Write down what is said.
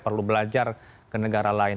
perlu belajar ke negara lain